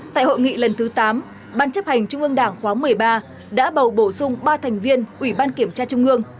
tại hội nghị lần thứ tám ban chấp hành trung ương đảng khóa một mươi ba đã bầu bổ sung ba thành viên ủy ban kiểm tra trung ương